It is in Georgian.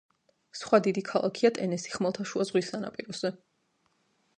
სხვა დიდი ქალაქია ტენესი, ხმელთაშუა ზღვის სანაპიროზე.